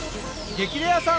『激レアさん』